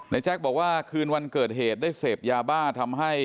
ในแจ๊คบอกว่าคืนวันเกิดเหตุได้เสพยาบาท